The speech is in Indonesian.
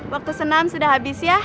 waktu senam sudah habis ya